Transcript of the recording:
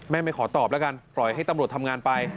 ไม่ขอตอบแล้วกันปล่อยให้ตำรวจทำงานไป